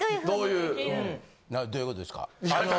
どういうことですか？